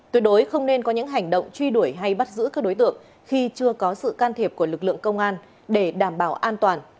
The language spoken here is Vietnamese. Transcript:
tuyệt đối không nên có những hành động truy đuổi hay bắt giữ các đối tượng khi chưa có sự can thiệp của lực lượng công an để đảm bảo an toàn